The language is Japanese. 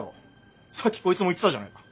さっきこいつも言ってたじゃないか。